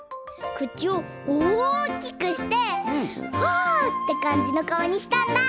くちをおおきくしてあってかんじのかおにしたんだ！